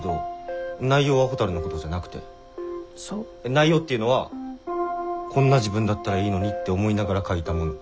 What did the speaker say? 内容っていうのは「こんな自分だったらいいのに」って思いながら書いたもの。